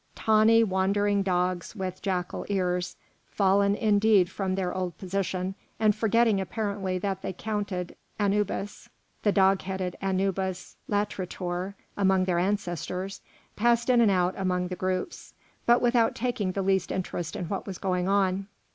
Tawny, wandering dogs with jackal ears, fallen indeed from their old position, and forgetting apparently that they counted Anubis, the dog headed Anubis latrator, among their ancestors, passed in and out among the groups, but without taking the least interest in what was going on.